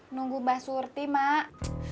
nunggu mbah surti mak